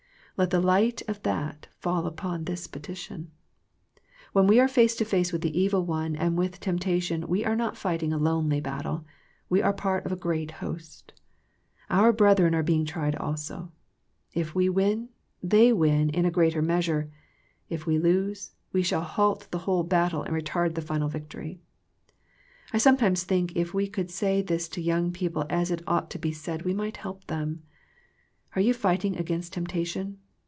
Let the light of that fall upon this petition. When we are face to face with the evil one and with temp tation, we are not fighting a lonely battle, we are part of a great host. Our brethren are being tried also. If we win, they win in a greater meas ure. If we lose, we shall halt the whole battle and retard the final victory. I sometimes think if we could say this to young people as it ought to be said we might help them. Are you fight ing against temptation